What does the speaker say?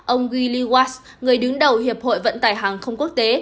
ông willie watts người đứng đầu hiệp hội vận tải hàng không quốc tế